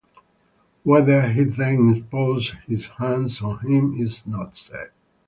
Whether he then imposed his hands on him is not said.